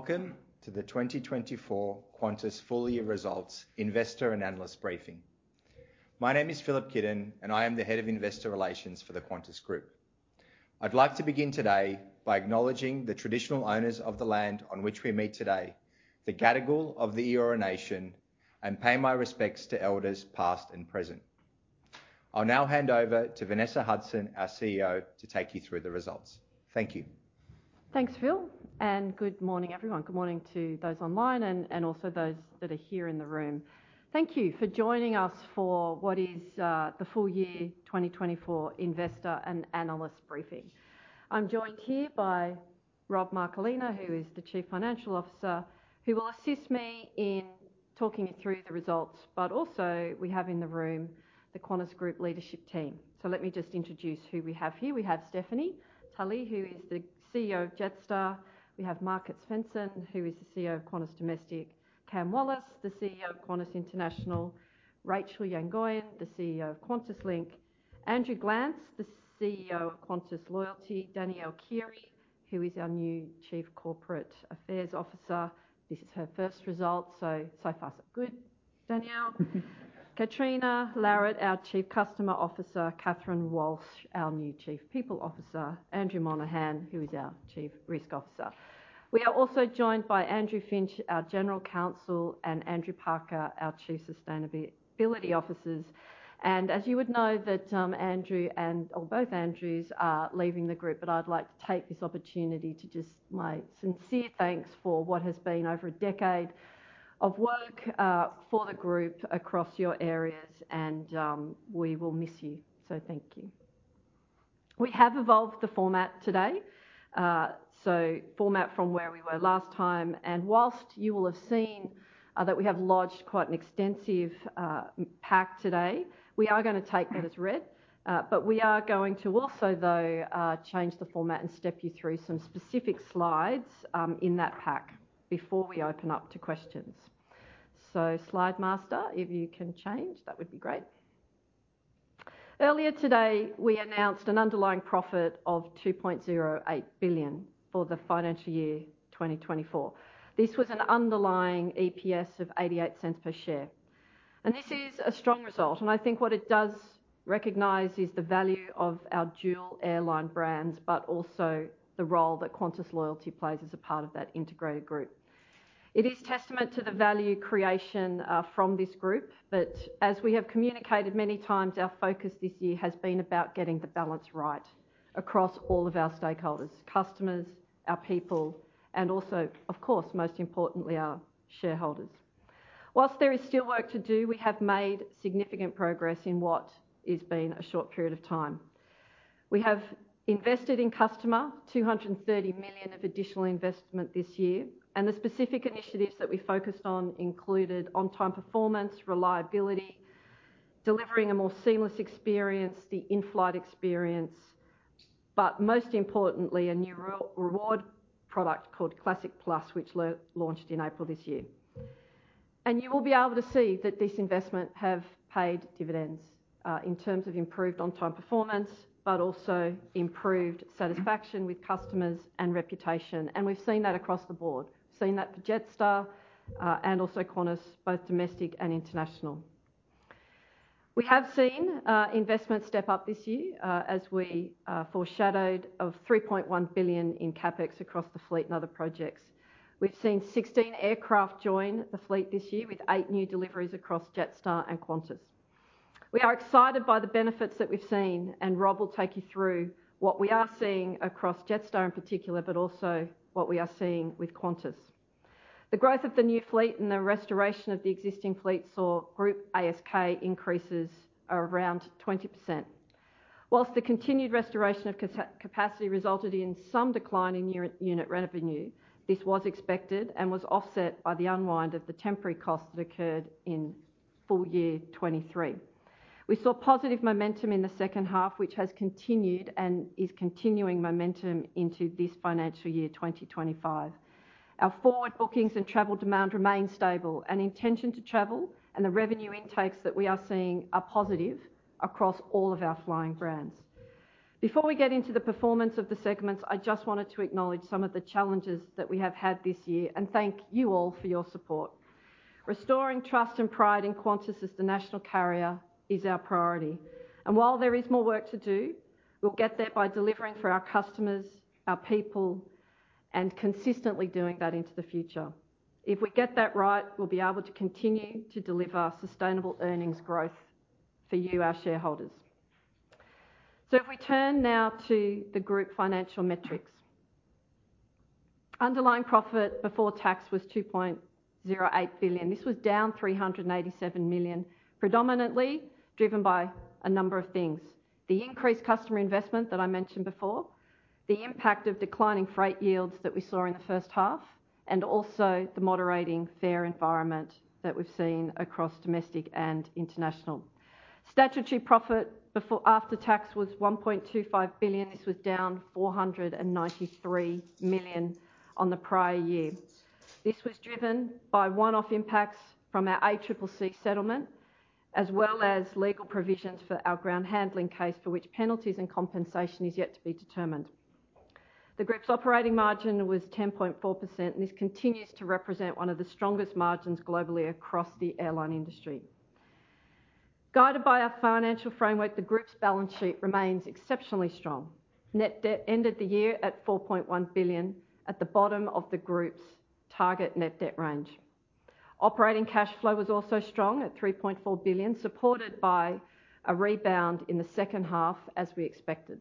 Welcome to the 2024 Qantas Full Year Results Investor and Analyst Briefing. My name is Filip Kidon, and I am the head of Investor Relations for the Qantas Group. I'd like to begin today by acknowledging the traditional owners of the land on which we meet today, the Gadigal of the Eora Nation, and pay my respects to elders, past and present. I'll now hand over to Vanessa Hudson, our CEO, to take you through the results. Thank you. Thanks, Phil, and good morning, everyone. Good morning to those online and also those that are here in the room. Thank you for joining us for what is the full year twenty twenty-four Investor and Analyst Briefing. I'm joined here by Rob Marcolina, who is the Chief Financial Officer, who will assist me in talking you through the results. But also we have in the room the Qantas Group leadership team. So let me just introduce who we have here. We have Stephanie Tully, who is the CEO of Jetstar. We have Markus Svensson, who is the CEO of Qantas Domestic. Cam Wallace, the CEO of Qantas International. Rachel Yangoyan, the CEO of QantasLink. Andrew Glance, the CEO of Qantas Loyalty. Danielle Keighery, who is our new Chief Corporate Affairs Officer. This is her first result, so far, so good, Danielle. Catriona Larritt, our Chief Customer Officer. Catherine Walsh, our new Chief People Officer. Andrew Monaghan, who is our Chief Risk Officer. We are also joined by Andrew Finch, our General Counsel, and Andrew Parker, our Chief Sustainability Officers. And as you would know, that Andrew and or both Andrews are leaving the group, but I'd like to take this opportunity to just my sincere thanks for what has been over a decade of work, for the group across your areas and, we will miss you, so thank you. We have evolved the format today, so format from where we were last time, and whilst you will have seen, that we have lodged quite an extensive, pack today, we are gonna take that as read. But we are going to also, though, change the format and step you through some specific slides in that pack before we open up to questions. So slide master, if you can change, that would be great. Earlier today, we announced an underlying profit of 2.08 billion for the financial year 2 This was an underlying EPS of 0.88 per share. And this is a strong result, and I think what it does recognize is the value of our dual airline brands, but also the role that Qantas Loyalty plays as a part of that integrated group. It is testament to the value creation from this group, but as we have communicated many times, our focus this year has been about getting the balance right across all of our stakeholders, customers, our people, and also, of course, most importantly, our shareholders. While there is still work to do, we have made significant progress in what is been a short period of time. We have invested in customer, 230 million of additional investment this year, and the specific initiatives that we focused on included on-time performance, reliability, delivering a more seamless experience, the in-flight experience, but most importantly, a new reward product called Classic Plus, which launched in April this year. You will be able to see that this investment have paid dividends in terms of improved on-time performance, but also improved satisfaction with customers and reputation. We've seen that across the board, seen that for Jetstar and also Qantas, both domestic and international. We have seen investment step up this year, as we foreshadowed of 3.1 billion in CapEx across the fleet and other projects. We've seen sixteen aircraft join the fleet this year, with eight new deliveries across Jetstar and Qantas. We are excited by the benefits that we've seen, and Rob will take you through what we are seeing across Jetstar in particular, but also what we are seeing with Qantas. The growth of the new fleet and the restoration of the existing fleet saw group ASK increases of around 20%. While the continued restoration of capacity resulted in some decline in unit revenue, this was expected and was offset by the unwind of the temporary costs that occurred in full year 2023. We saw positive momentum in the second half, which has continued and is continuing momentum into this financial year, 2025. Our forward bookings and travel demand remain stable, and intention to travel and the revenue intakes that we are seeing are positive across all of our flying brands. Before we get into the performance of the segments, I just wanted to acknowledge some of the challenges that we have had this year, and thank you all for your support. Restoring trust and pride in Qantas as the national carrier is our priority, and while there is more work to do, we'll get there by delivering for our customers, our people, and consistently doing that into the future. If we get that right, we'll be able to continue to deliver sustainable earnings growth for you, our shareholders. So if we turn now to the group financial metrics. Underlying profit before tax was 2.08 billion. This was down 387 million, predominantly driven by a number of things: the increased customer investment that I mentioned before, the impact of declining freight yields that we saw in the first half, and also the moderating fare environment that we've seen across domestic and international. Statutory profit after tax was 1.25 billion. This was down 493 million on the prior year. This was driven by one-off impacts from our ACCC settlement as well as legal provisions for our ground handling case, for which penalties and compensation is yet to be determined. The group's operating margin was 10.4%, and this continues to represent one of the strongest margins globally across the airline industry. Guided by our financial framework, the group's balance sheet remains exceptionally strong. Net debt ended the year at 4.1 billion, at the bottom of the group's target net debt range. Operating cash flow was also strong at 3.4 billion, supported by a rebound in the second half, as we expected.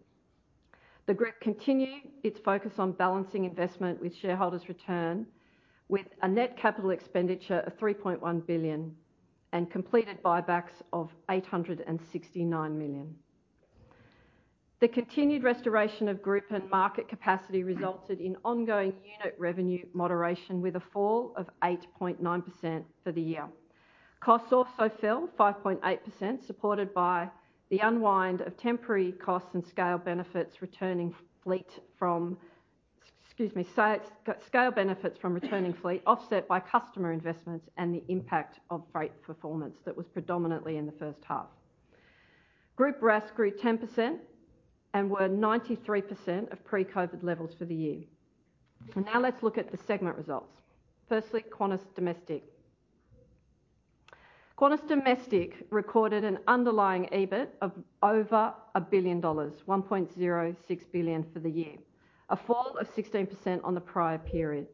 The group continued its focus on balancing investment with shareholders' return, with a net capital expenditure of 3.1 billion and completed buybacks of 869 million. The continued restoration of group and market capacity resulted in ongoing unit revenue moderation, with a fall of 8.9% for the year. Costs also fell 5.8%, supported by the unwind of temporary costs and scale benefits from returning fleet, offset by customer investments and the impact of freight performance that was predominantly in the first half. Group RASK grew 10% and were 93% of pre-COVID levels for the year. And now let's look at the segment results. Firstly, Qantas Domestic. Qantas Domestic recorded an underlying EBIT of over 1 billion dollars, 1.06 billion for the year, a fall of 16% on the prior period.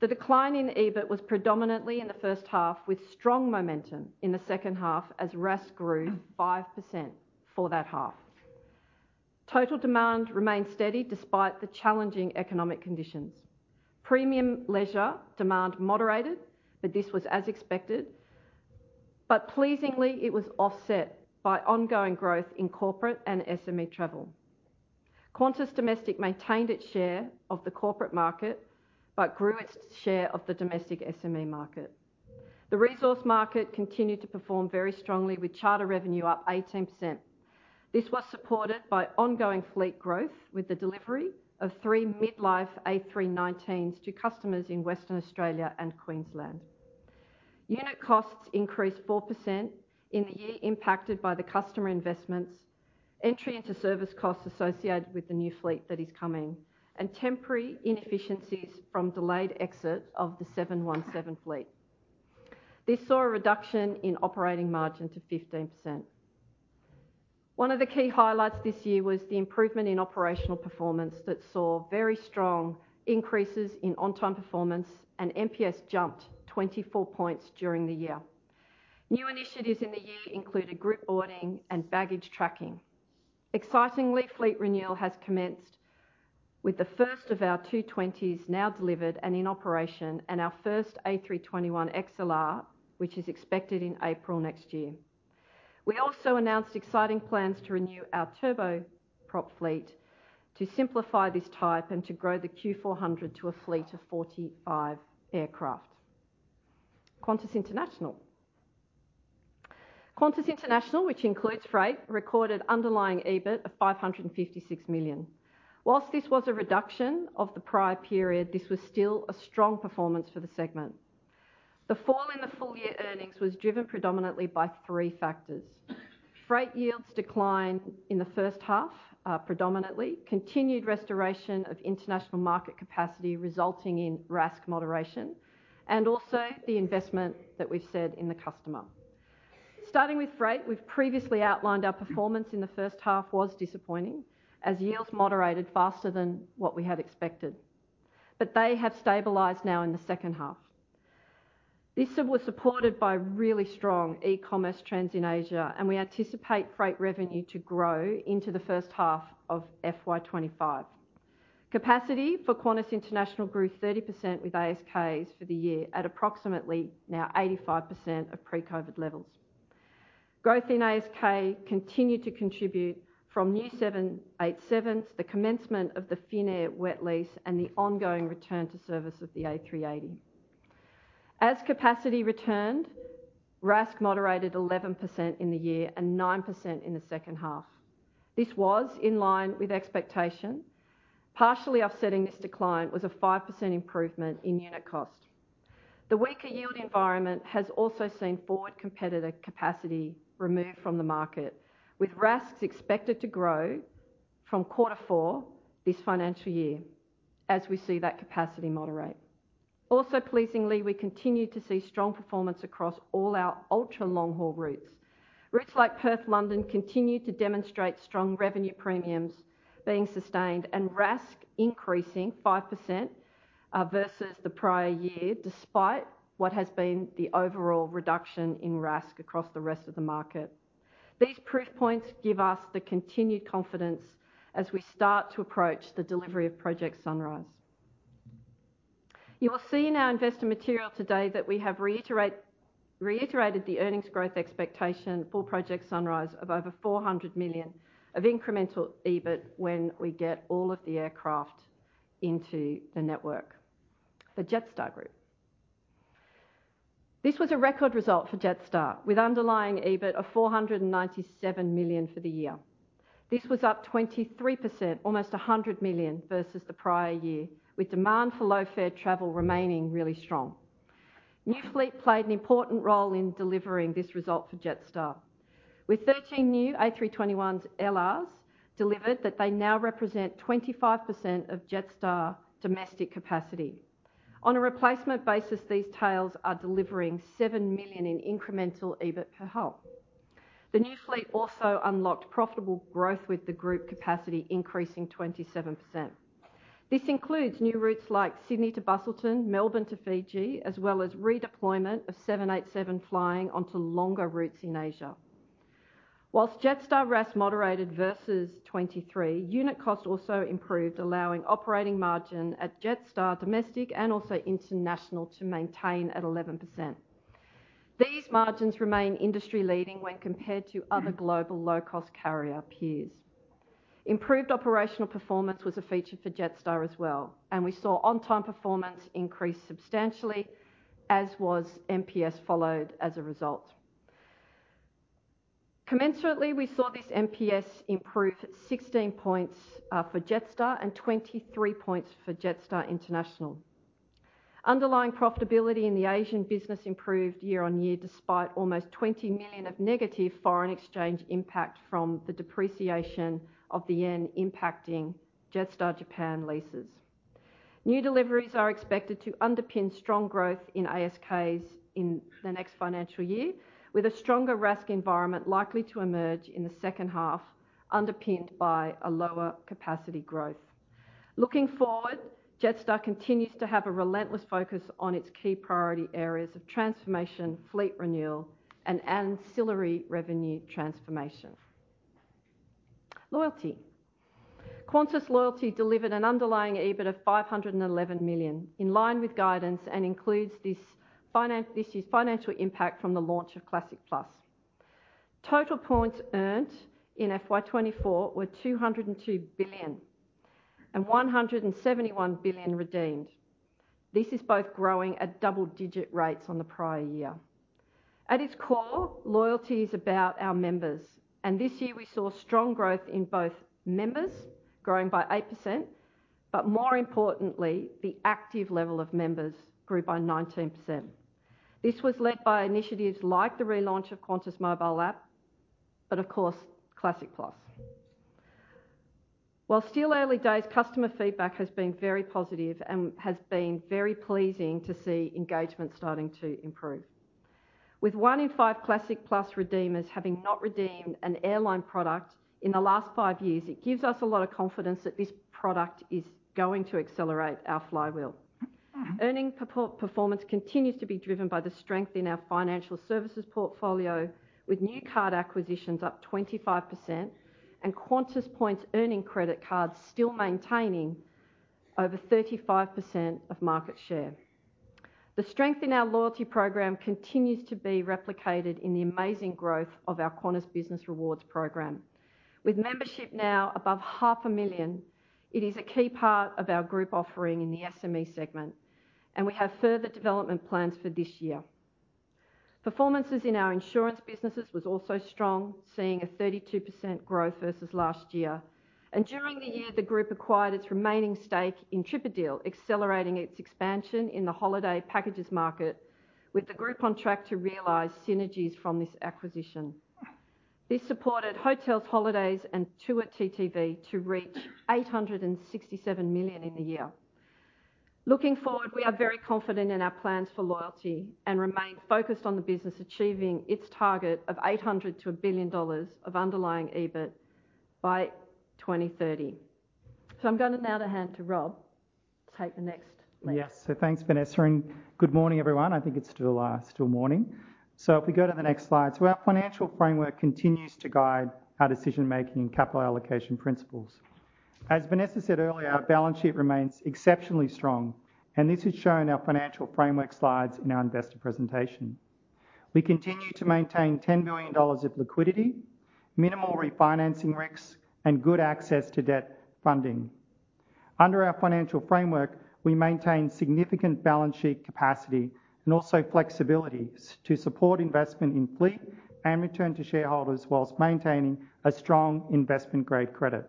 The decline in EBIT was predominantly in the first half, with strong momentum in the second half as RASK grew 5% for that half. Total demand remained steady despite the challenging economic conditions. Premium leisure demand moderated, but this was as expected, but pleasingly, it was offset by ongoing growth in corporate and SME travel. Qantas Domestic maintained its share of the corporate market but grew its share of the domestic SME market. The resource market continued to perform very strongly, with charter revenue up 18%. This was supported by ongoing fleet growth, with the delivery of three mid-life A319s to customers in Western Australia and Queensland. Unit costs increased 4% in the year impacted by the customer investments, entry into service costs associated with the new fleet that is coming, and temporary inefficiencies from delayed exit of the 717 fleet. This saw a reduction in operating margin to 15%. One of the key highlights this year was the improvement in operational performance that saw very strong increases in on-time performance, and NPS jumped 24 points during the year. New initiatives in the year included group boarding and baggage tracking. Excitingly, fleet renewal has commenced with the first of our A220s now delivered and in operation, and our first A321XLR, which is expected in April next year. We also announced exciting plans to renew our turboprop fleet to simplify this type and to grow the Q400 to a fleet of 45 aircraft. Qantas International, which includes Freight, recorded underlying EBIT of 556 million. While this was a reduction of the prior period, this was still a strong performance for the segment. The fall in the full-year earnings was driven predominantly by three factors: Freight yields declined in the first half, predominantly continued restoration of international market capacity, resulting in RASK moderation, and also the investment that we've made in the customer. Starting with Freight, we've previously outlined our performance in the first half was disappointing, as yields moderated faster than what we had expected, but they have stabilized now in the second half. This was supported by really strong e-commerce trends in Asia, and we anticipate freight revenue to grow into the first half of FY 2025. Capacity for Qantas International grew 30% with ASKs for the year at approximately now 85% of pre-COVID levels. Growth in ASK continued to contribute from new 787s, the commencement of the Finnair wet lease, and the ongoing return to service of the A380. As capacity returned, RASK moderated 11% in the year and 9% in the second half. This was in line with expectation. Partially offsetting this decline was a 5% improvement in unit cost. The weaker yield environment has also seen forward competitor capacity removed from the market, with RASKs expected to grow from quarter four this financial year as we see that capacity moderate. Also pleasingly, we continue to see strong performance across all our ultra-long-haul routes. Routes like Perth, London, continue to demonstrate strong revenue premiums being sustained and RASK increasing 5% versus the prior year, despite what has been the overall reduction in RASK across the rest of the market. These proof points give us the continued confidence as we start to approach the delivery of Project Sunrise. You will see in our investor material today that we have reiterated the earnings growth expectation for Project Sunrise of over 400 million of incremental EBIT when we get all of the aircraft into the network. The Jetstar Group. This was a record result for Jetstar, with underlying EBIT of 497 million for the year. This was up 23%, almost 100 million versus the prior year, with demand for low-fare travel remaining really strong. New fleet played an important role in delivering this result for Jetstar. With 13 new A321LRs delivered, they now represent 25% of Jetstar domestic capacity. On a replacement basis, these tails are delivering 7 million in incremental EBIT per hull. The new fleet also unlocked profitable growth, with the group capacity increasing 27%. This includes new routes like Sydney to Busselton, Melbourne to Fiji, as well as redeployment of 787 flying onto longer routes in Asia. While Jetstar RASK moderated versus 2023, unit cost also improved, allowing operating margin at Jetstar domestic and also international to maintain at 11%. These margins remain industry-leading when compared to other global low-cost carrier peers. Improved operational performance was a feature for Jetstar as well, and we saw on-time performance increase substantially, as was NPS followed as a result. Commensurately, we saw this NPS improve 16 points for Jetstar and 23 points for Jetstar international. Underlying profitability in the Asian business improved year-on-year, despite almost 20 million of negative foreign exchange impact from the depreciation of the yen impacting Jetstar Japan leases. New deliveries are expected to underpin strong growth in ASK in the next financial year, with a stronger RASK environment likely to emerge in the second half, underpinned by a lower capacity growth. Looking forward, Jetstar continues to have a relentless focus on its key priority areas of transformation, fleet renewal, and ancillary revenue transformation. Loyalty. Qantas Loyalty delivered an underlying EBIT of 511 million, in line with guidance, and includes this year's financial impact from the launch of Classic Plus. Total points earned in FY 2024 were 202 billion, and 171 billion redeemed. This is both growing at double-digit rates on the prior year. At its core, loyalty is about our members, and this year we saw strong growth in both members growing by 8%, but more importantly, the active level of members grew by 19%. This was led by initiatives like the relaunch of Qantas mobile app, but of course, Classic Plus. While still early days, customer feedback has been very positive and has been very pleasing to see engagement starting to improve. With one in five Classic Plus redeemers having not redeemed an airline product in the last five years, it gives us a lot of confidence that this product is going to accelerate our flywheel. Earnings performance continues to be driven by the strength in our financial services portfolio, with new card acquisitions up 25% and Qantas Points earning credit cards still maintaining over 35% of market share. The strength in our loyalty program continues to be replicated in the amazing growth of our Qantas Business Rewards program. With membership now above 500,000, it is a key part of our group offering in the SME segment, and we have further development plans for this year. Performances in our insurance businesses was also strong, seeing a 32% growth versus last year. And during the year, the group acquired its remaining stake in TripADeal, accelerating its expansion in the holiday packages market, with the group on track to realize synergies from this acquisition. This supported hotels, holidays, and tours TTV to reach 867 million in the year. Looking forward, we are very confident in our plans for loyalty and remain focused on the business achieving its target of 800 million-1 billion dollars of underlying EBIT by 2030. So I'm going to now hand to Rob to take the next lead. Yes. So thanks, Vanessa, and good morning, everyone. I think it's still morning. So if we go to the next slide. So our financial framework continues to guide our decision-making and capital allocation principles. As Vanessa said earlier, our balance sheet remains exceptionally strong, and this is shown in our financial framework slides in our investor presentation. We continue to maintain 10 billion dollars of liquidity, minimal refinancing risks, and good access to debt funding. Under our financial framework, we maintain significant balance sheet capacity and also flexibility to support investment in fleet and return to shareholders whilst maintaining a strong investment-grade credit.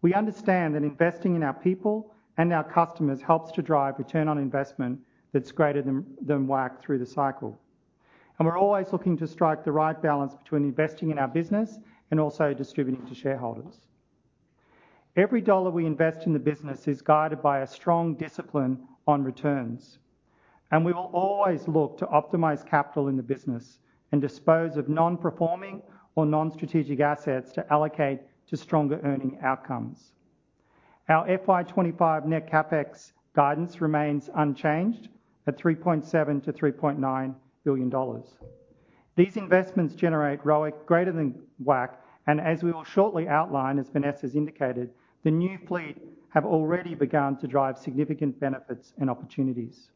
We understand that investing in our people and our customers helps to drive return on investment that's greater than WACC through the cycle. And we're always looking to strike the right balance between investing in our business and also distributing to shareholders. Every dollar we invest in the business is guided by a strong discipline on returns, and we will always look to optimize capital in the business and dispose of non-performing or non-strategic assets to allocate to stronger earning outcomes. Our FY 2025 net CapEx guidance remains unchanged at 3.7 billion-3.9 billion dollars. These investments generate ROIC greater than WACC, and as we will shortly outline, as Vanessa's indicated, the new fleet have already begun to drive significant benefits and opportunities.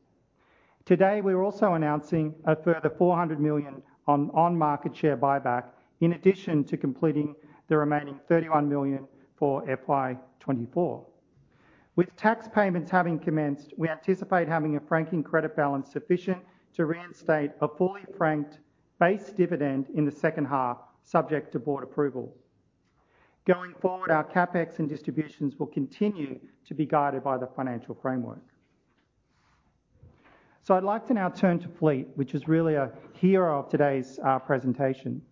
Today, we're also announcing a further 400 million on-market share buyback, in addition to completing the remaining 31 million for FY 2024. With tax payments having commenced, we anticipate having a franking credit balance sufficient to reinstate a fully franked base dividend in the second half, subject to board approval. Going forward, our CapEx and distributions will continue to be guided by the financial framework. So I'd like to now turn to fleet, which is really a hero of today's presentation.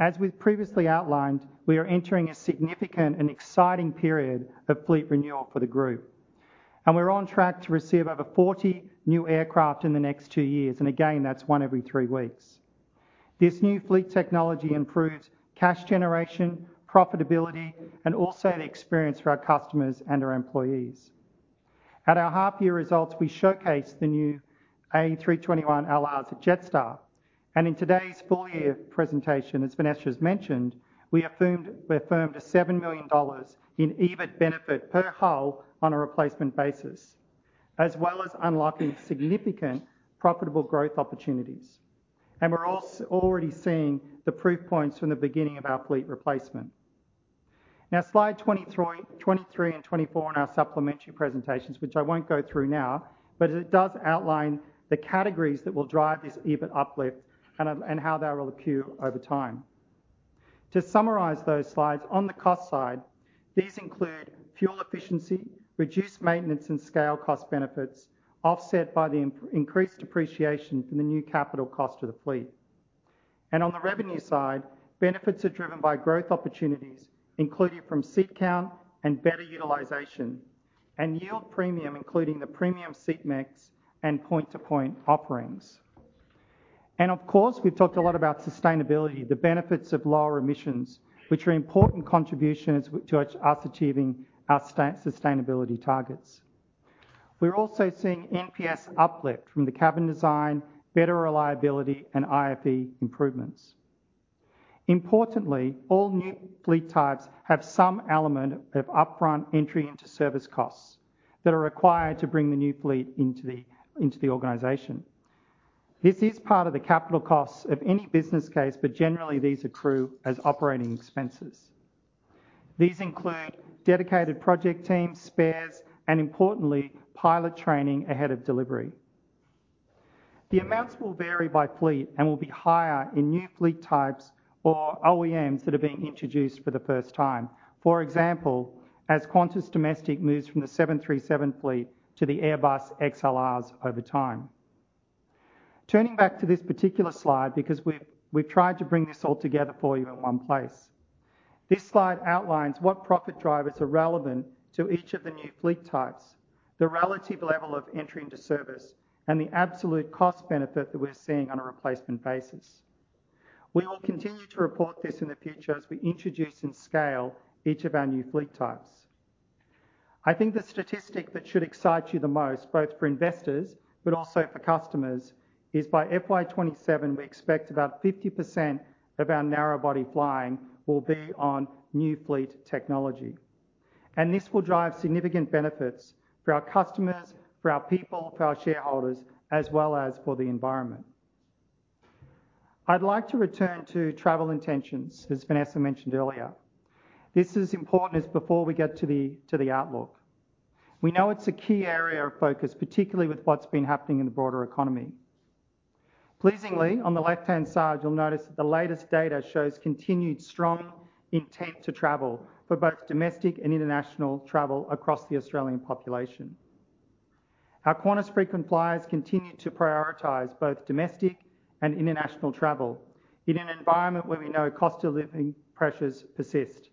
As we've previously outlined, we are entering a significant and exciting period of fleet renewal for the group, and we're on track to receive over 40 new aircraft in the next two years. And again, that's one every three weeks. This new fleet technology improves cash generation, profitability, and also the experience for our customers and our employees. At our half-year results, we showcased the new A321LR at Jetstar, and in today's full-year presentation, as Vanessa has mentioned, we affirmed 7 million dollars in EBIT benefit per hull on a replacement basis, as well as unlocking significant profitable growth opportunities. We're also already seeing the proof points from the beginning of our fleet replacement. Now, slide 23 and 24 in our supplementary presentations, which I won't go through now, but it does outline the categories that will drive this EBIT uplift and how they will accrue over time. To summarize those slides, on the cost side, these include fuel efficiency, reduced maintenance and scale cost benefits, offset by the increased depreciation from the new capital cost of the fleet. On the revenue side, benefits are driven by growth opportunities, including from seat count and better utilization and yield premium, including the premium seat mix and point-to-point offerings. Of course, we've talked a lot about sustainability, the benefits of lower emissions, which are important contributions to us achieving our sustainability targets. We're also seeing NPS uplift from the cabin design, better reliability, and IFE improvements. Importantly, all new fleet types have some element of upfront entry into service costs that are required to bring the new fleet into the organization. This is part of the capital costs of any business case, but generally these accrue as operating expenses. These include dedicated project teams, spares, and importantly, pilot training ahead of delivery. The amounts will vary by fleet and will be higher in new fleet types or OEMs that are being introduced for the first time. For example, as Qantas Domestic moves from the 737 fleet to the Airbus XLRs over time. Turning back to this particular slide, because we've tried to bring this all together for you in one place. This slide outlines what profit drivers are relevant to each of the new fleet types, the relative level of entry into service, and the absolute cost benefit that we're seeing on a replacement basis. We will continue to report this in the future as we introduce and scale each of our new fleet types. I think the statistic that should excite you the most, both for investors but also for customers, is by FY 2027, we expect about 50% of our narrow-body flying will be on new fleet technology, and this will drive significant benefits for our customers, for our people, for our shareholders, as well as for the environment. I'd like to return to travel intentions, as Vanessa mentioned earlier. This is important as before we get to the outlook. We know it's a key area of focus, particularly with what's been happening in the broader economy. Pleasingly, on the left-hand side, you'll notice that the latest data shows continued strong intent to travel for both domestic and international travel across the Australian population. Our Qantas frequent flyers continue to prioritize both domestic and international travel in an environment where we know cost of living pressures persist,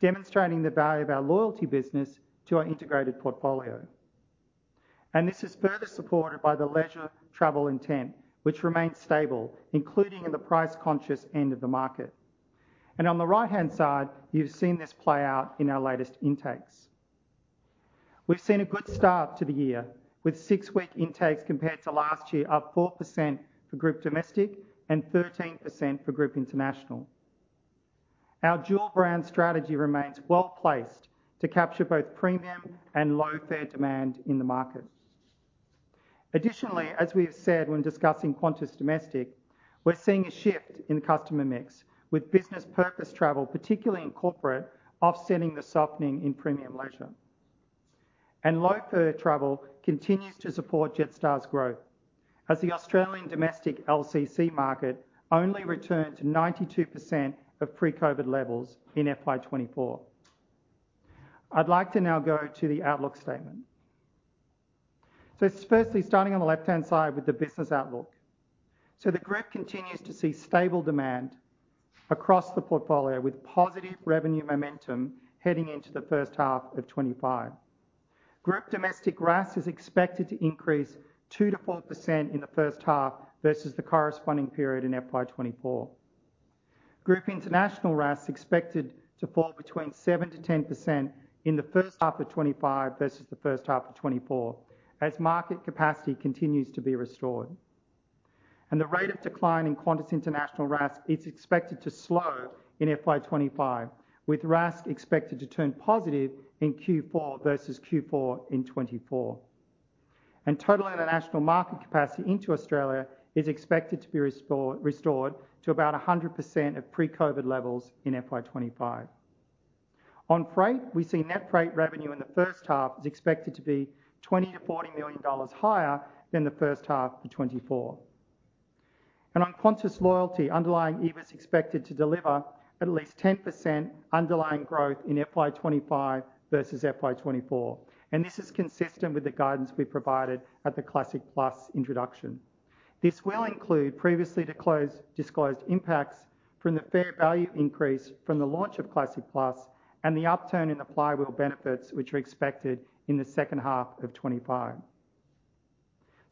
demonstrating the value of our loyalty business to our integrated portfolio. And this is further supported by the leisure travel intent, which remains stable, including in the price-conscious end of the market. And on the right-hand side, you've seen this play out in our latest intakes. We've seen a good start to the year, with six-week intakes compared to last year, up 4% for Group Domestic and 13% for Group International. Our dual brand strategy remains well-placed to capture both premium and low-fare demand in the market. Additionally, as we have said when discussing Qantas Domestic, we're seeing a shift in customer mix with business purpose travel, particularly in corporate, offsetting the softening in premium leisure, and low-fare travel continues to support Jetstar's growth as the Australian domestic LCC market only returned to 92% of pre-COVID levels in FY 2024. I'd like to now go to the outlook statement, so firstly, starting on the left-hand side with the business outlook, so the group continues to see stable demand across the portfolio, with positive revenue momentum heading into the first half of 2025. Group Domestic RASK is expected to increase 2%-4% in the first half versus the corresponding period in FY 2024. Group International RASK is expected to fall between 7%-10% in the first half of 2025 versus the first half of 2024, as market capacity continues to be restored. And the rate of decline in Qantas International RASK is expected to slow in FY 2025, with RASK expected to turn positive in Q4 versus Q4 in 2024, and total international market capacity into Australia is expected to be restored to about 100% of pre-COVID levels in FY 2025. On Freight, we see net freight revenue in the first half is expected to be 20 million-40 million dollars higher than the first half of 2024. And on Qantas Loyalty, underlying EBIT is expected to deliver at least 10% underlying growth in FY 2025 versus FY 2024, and this is consistent with the guidance we provided at the Classic Plus introduction. This will include previously disclosed impacts from the fair value increase from the launch of Classic Plus and the upturn in the flywheel benefits, which are expected in the second half of 2025.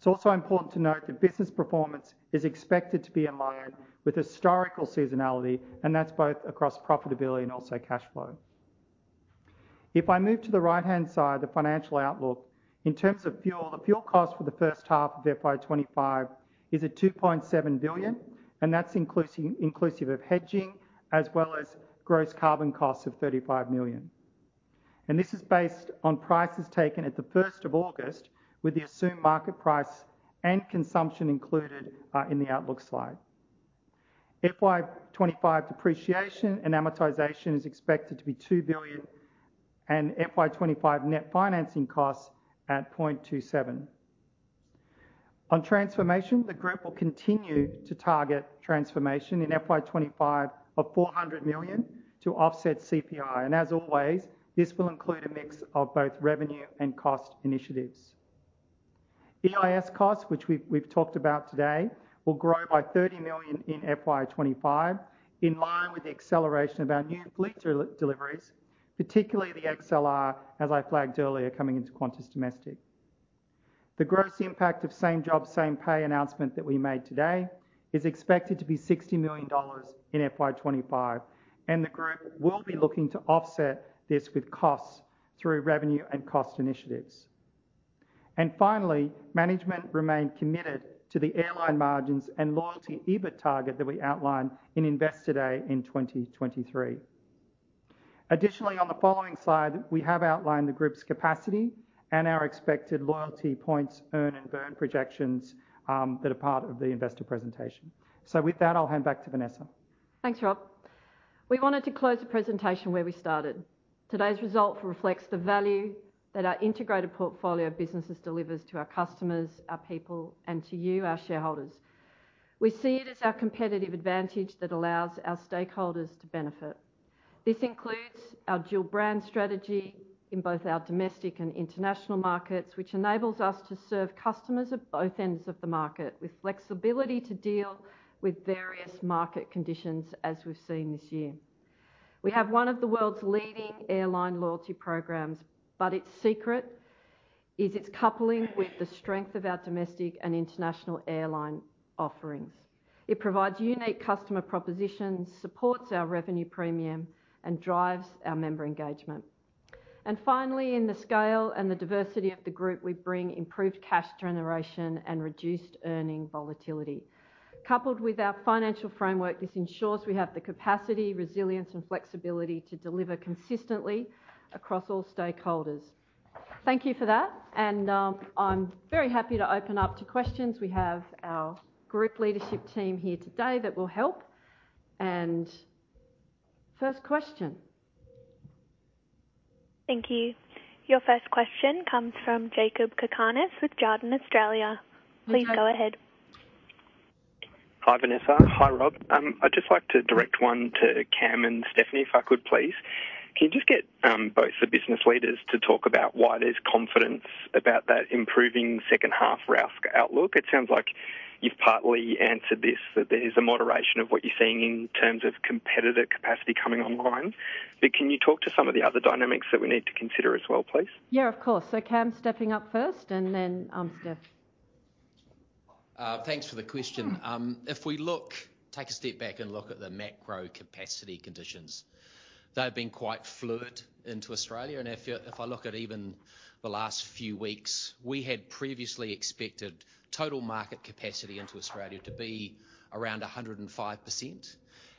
It's also important to note that business performance is expected to be in line with historical seasonality, and that's both across profitability and also cash flow. If I move to the right-hand side, the financial outlook. In terms of fuel, the fuel cost for the first half of FY 2025 is at 2.7 billion, and that's inclusive of hedging as well as gross carbon costs of 35 million. And this is based on prices taken at the August 1st, with the assumed market price and consumption included, in the outlook slide. FY 2025 depreciation and amortization is expected to be 2 billion, and FY 2025 net financing costs at 0.27 billion. On transformation, the group will continue to target transformation in FY 2025 of 400 million to offset CPI, and as always, this will include a mix of both revenue and cost initiatives. EIS costs, which we've talked about today, will grow by 30 million in FY 2025, in line with the acceleration of our new fleet deliveries, particularly the XLR, as I flagged earlier, coming into Qantas Domestic. The gross impact of Same Job Same Pay announcement that we made today is expected to be 60 million dollars in FY 2025, and the group will be looking to offset this with costs through revenue and cost initiatives. And finally, management remain committed to the airline margins and loyalty EBIT target that we outlined in Investor Day in 2023. Additionally, on the following slide, we have outlined the group's capacity and our expected loyalty points, earn and burn projections that are part of the investor presentation. So with that, I'll hand back to Vanessa. Thanks, Rob. We wanted to close the presentation where we started. Today's result reflects the value that our integrated portfolio of businesses delivers to our customers, our people, and to you, our shareholders. We see it as our competitive advantage that allows our stakeholders to benefit. This includes our dual brand strategy in both our domestic and international markets, which enables us to serve customers at both ends of the market with flexibility to deal with various market conditions, as we've seen this year. We have one of the world's leading airline loyalty programs, but its secret is its coupling with the strength of our domestic and international airline offerings. It provides unique customer propositions, supports our revenue premium, and drives our member engagement. Finally, in the scale and the diversity of the group, we bring improved cash generation and reduced earnings volatility. Coupled with our financial framework, this ensures we have the capacity, resilience, and flexibility to deliver consistently across all stakeholders. Thank you for that, and I'm very happy to open up to questions. We have our group leadership team here today that will help, and first question? Thank you. Your first question comes from Jakob Cakarnis with Jarden Australia. Hi, Jakob. Please go ahead. Hi, Vanessa. Hi, Rob. I'd just like to direct one to Cam and Stephanie, if I could, please. Can you just get both the business leaders to talk about why there's confidence about that improving second half RASK outlook? It sounds like you've partly answered this, that there's a moderation of what you're seeing in terms of competitive capacity coming online. But can you talk to some of the other dynamics that we need to consider as well, please? Yeah, of course. So, Cam, stepping up first and then, Steph. Thanks for the question. Take a step back and look at the macro capacity conditions. They've been quite fluid into Australia, and if I look at even the last few weeks, we had previously expected total market capacity into Australia to be around 105%.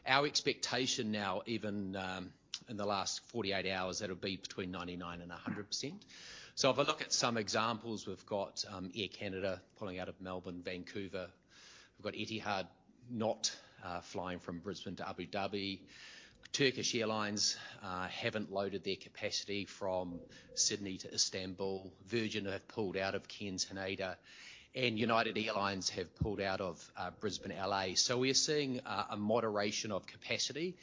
Our expectation now, in the last 48 hours, that'll be between 99% and 100%. So if I look at some examples, we've got Air Canada pulling out of Melbourne-Vancouver. We've got Etihad not flying from Brisbane to Abu Dhabi. Turkish Airlines haven't loaded their capacity from Sydney to Istanbul. Virgin have pulled out of Cairns-Haneda, and United Airlines have pulled out of Brisbane-L.A. So we are seeing a moderation of capacity,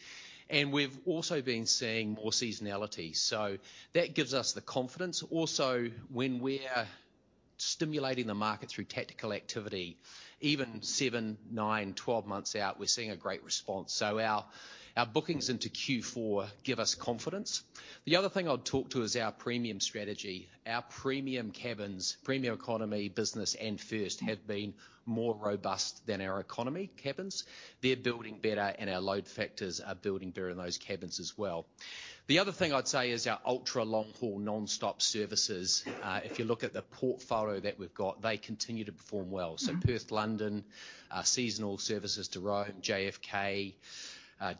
and we've also been seeing more seasonality, so that gives us the confidence. Also, when we're stimulating the market through tactical activity, even seven, nine, 12 months out, we're seeing a great response. So our bookings into Q4 give us confidence. The other thing I'd talk to is our premium strategy. Our premium cabins, premium economy, business, and first, have been more robust than our economy cabins. They're building better, and our load factors are building better in those cabins as well. The other thing I'd say is our ultra-long haul, nonstop services. If you look at the portfolio that we've got, they continue to perform well. Mm-hmm. So Perth, London, seasonal services to Rome, JFK....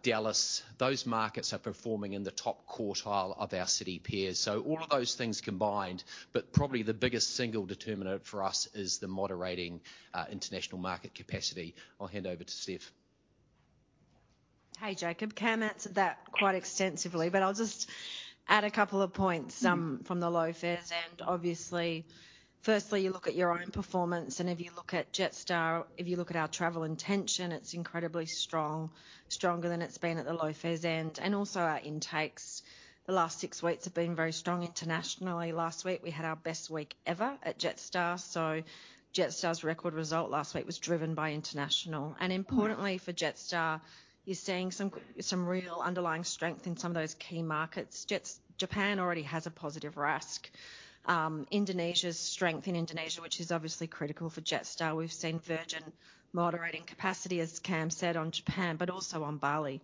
Dallas, those markets are performing in the top quartile of our city peers. So all of those things combined, but probably the biggest single determiner for us is the moderating, international market capacity. I'll hand over to Steph. Hey, Jakob. Cam answered that quite extensively, but I'll just add a couple of points from the low fares end, obviously. Firstly, you look at your own performance, and if you look at Jetstar, if you look at our travel intention, it's incredibly strong, stronger than it's been at the low fares end, and also our intakes. The last six weeks have been very strong internationally. Last week, we had our best week ever at Jetstar, so Jetstar's record result last week was driven by international. And importantly for Jetstar, you're seeing some real underlying strength in some of those key markets. Japan already has a positive RASK. Indonesia's strength in Indonesia, which is obviously critical for Jetstar, we've seen Virgin moderating capacity, as Cam said, on Japan, but also on Bali.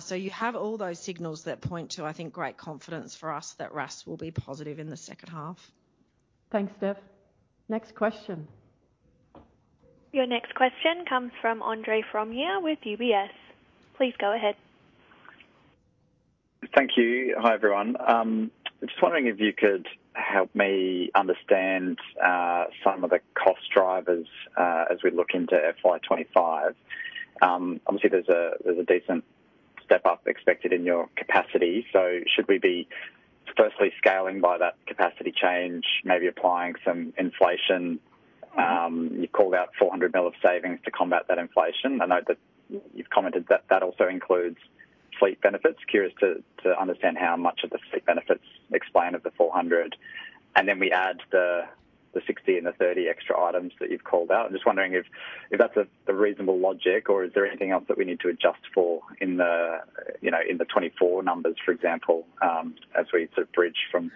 So, you have all those signals that point to, I think, great confidence for us that RASK will be positive in the second half. Thanks, Steph. Next question. Your next question comes from Andre Fromyhr with UBS. Please go ahead. Thank you. Hi, everyone. Just wondering if you could help me understand some of the cost drivers as we look into FY 2025. Obviously, there's a decent step-up expected in your capacity, so should we be firstly scaling by that capacity change, maybe applying some inflation? You called out 400 million of savings to combat that inflation. I know that you've commented that that also includes fleet benefits. Curious to understand how much of the fleet benefits explain of the 400 million, and then we add the 60 million and the 30 million extra items that you've called out. I'm just wondering if that's a reasonable logic, or is there anything else that we need to adjust for in the, you know, in the 2024 numbers, for example, as we sort of bridge from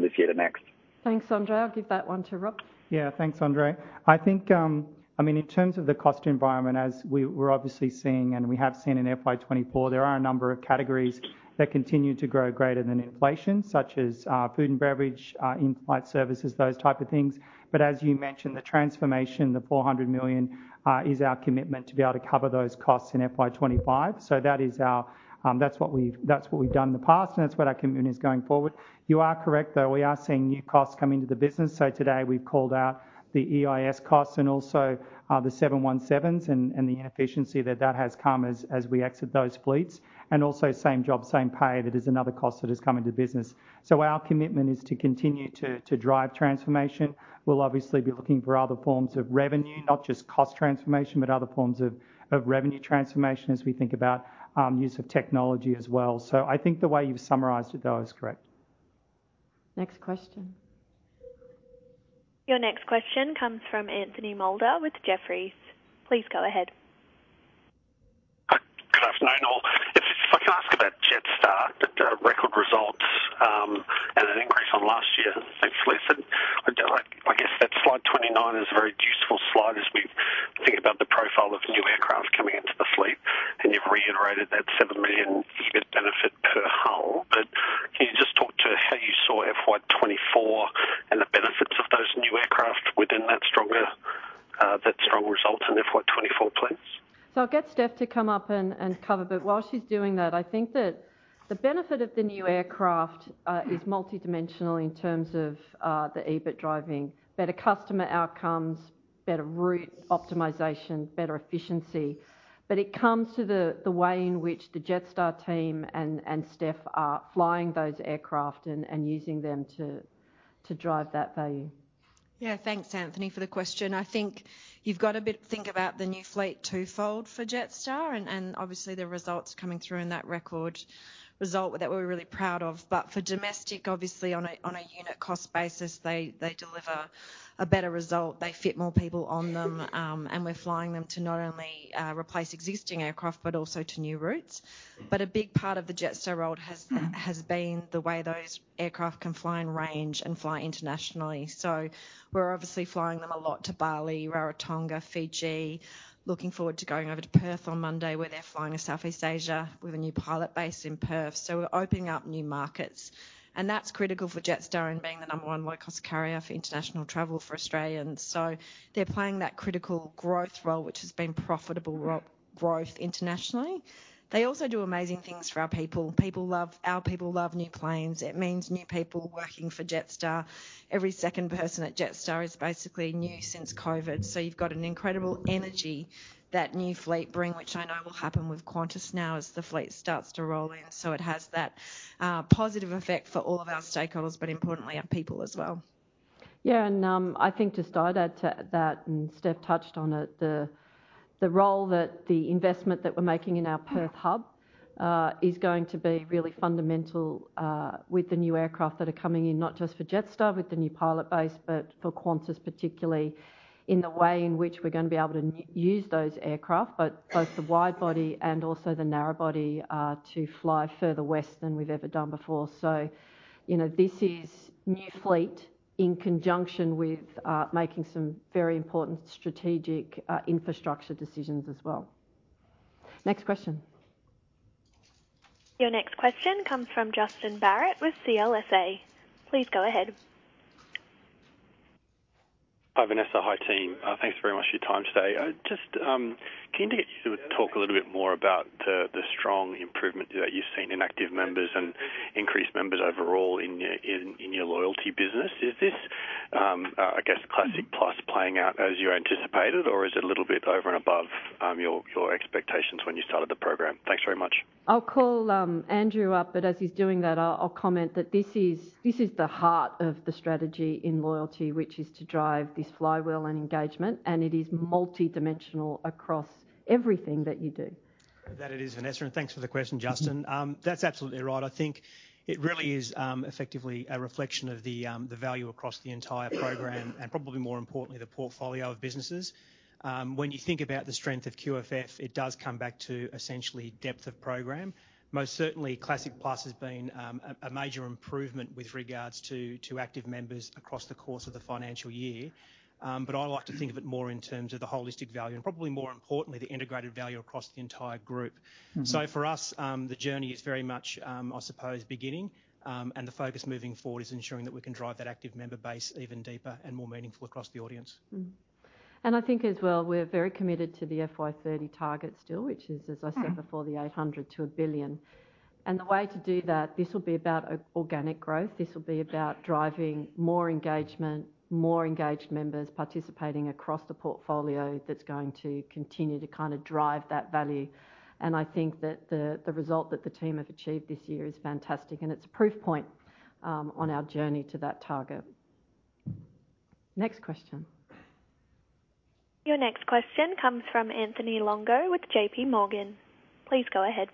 this year to next? Thanks, Andre. I'll give that one to Rob. Yeah, thanks, Andre. I think, I mean, in terms of the cost environment, as we're obviously seeing, and we have seen in FY 2024, there are a number of categories that continue to grow greater than inflation, such as food and beverage, in-flight services, those type of things. But as you mentioned, the transformation, the 400 million, is our commitment to be able to cover those costs in FY 2025. So that is our... That's what we've done in the past, and that's what our commitment is going forward. You are correct, though. We are seeing new costs come into the business, so today we've called out the EIS costs and also the 717s and the inefficiency that has come as we exit those fleets. Also Same Job Same Pay, that is another cost that has come into business. Our commitment is to continue to drive transformation. We'll obviously be looking for other forms of revenue, not just cost transformation, but other forms of revenue transformation as we think about use of technology as well. I think the way you've summarized it, though, is correct. Next question. Your next question comes from Anthony Moulder with Jefferies. Please go ahead. Hi. Good afternoon, all. If I can ask about Jetstar, the record results, and an increase on last year, it's less than I guess that slide 29 is a very useful slide as we think about the profile of new aircraft coming into the fleet, and you've reiterated that 7 million EBIT benefit per hull. But can you just talk to how you saw FY 2024 and the benefits of those new aircraft within that stronger, that strong result in the FY 2024 plans? So I'll get Steph to come up and cover, but while she's doing that, I think that the benefit of the new aircraft is multidimensional in terms of the EBIT driving better customer outcomes, better route optimization, better efficiency. But it comes to the way in which the Jetstar team and Steph are flying those aircraft and using them to drive that value. Yeah. Thanks, Anthony, for the question. I think you've got to think about the new fleet twofold for Jetstar, and obviously the results coming through in that record result that we're really proud of. But for domestic, obviously, on a unit cost basis, they deliver a better result. They fit more people on them, and we're flying them to not only replace existing aircraft, but also to new routes. But a big part of the Jetstar role has been the way those aircraft can fly in range and fly internationally. So we're obviously flying them a lot to Bali, Rarotonga, Fiji. Looking forward to going over to Perth on Monday, where they're flying to Southeast Asia with a new pilot base in Perth. We're opening up new markets, and that's critical for Jetstar in being the number one low-cost carrier for international travel for Australians. They're playing that critical growth role, which has been profitable growth internationally. They also do amazing things for our people. Our people love new planes. It means new people working for Jetstar. Every second person at Jetstar is basically new since COVID, so you've got an incredible energy that new fleet bring, which I know will happen with Qantas now as the fleet starts to roll in. It has that positive effect for all of our stakeholders, but importantly, our people as well. Yeah, and, I think, just to add to that, and Steph touched on it, the role that the investment that we're making in our Perth hub, is going to be really fundamental, with the new aircraft that are coming in, not just for Jetstar with the new pilot base, but for Qantas particularly, in the way in which we're going to be able to use those aircraft, but both the wide-body and also the narrow-body, to fly further west than we've ever done before. So, you know, this is new fleet in conjunction with, making some very important strategic, infrastructure decisions as well. Next question. Your next question comes from Justin Barratt with CLSA. Please go ahead. ... Hi, Vanessa. Hi, team. Thanks very much for your time today. Just, can you get to talk a little bit more about the strong improvement that you've seen in active members and increased members overall in your loyalty business? Is this, I guess, Classic Plus playing out as you anticipated, or is it a little bit over and above your expectations when you started the program? Thanks very much. I'll call Andrew up, but as he's doing that, I'll comment that this is the heart of the strategy in loyalty, which is to drive this flywheel and engagement, and it is multidimensional across everything that you do. That it is, Vanessa, and thanks for the question, Justin. That's absolutely right. I think it really is, effectively a reflection of the value across the entire program, and probably more importantly, the portfolio of businesses. When you think about the strength of QFF, it does come back to essentially depth of program. Most certainly, Classic Plus has been a major improvement with regards to active members across the course of the financial year, but I like to think of it more in terms of the holistic value and probably more importantly, the integrated value across the entire group. Mm-hmm. So for us, the journey is very much, I suppose, beginning, and the focus moving forward is ensuring that we can drive that active member base even deeper and more meaningful across the audience. Mm-hmm. I think as well, we're very committed to the FY 2030 target still, which is, as I said before, 800 million-1 billion. The way to do that, this will be about organic growth. This will be about driving more engagement, more engaged members participating across the portfolio that's going to continue to kind of drive that value. I think that the result that the team have achieved this year is fantastic, and it's a proof point on our journey to that target. Next question. Your next question comes from Anthony Longo with JPMorgan. Please go ahead.